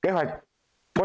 kế hoạch kế hoạch